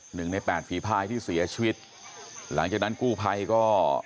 หนึ่งในแปดฝีพายที่เสียชีวิตหลังจากนั้นกู้ภัยก็